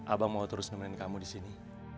abang mau terus nemenin kamu di sini